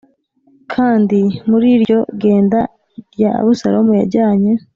Kandi muri iryo genda rya Abusalomu yajyanye